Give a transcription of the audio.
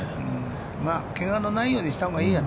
まあ、けがのないようにしたほうがいいよね。